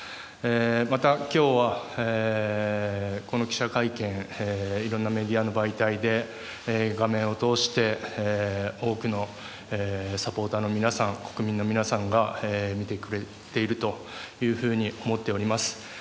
また今日はこの記者会見色んなメディアの媒体で画面を通して多くのサポーターの皆さん国民の皆さんが見てくれているというふうに思っております。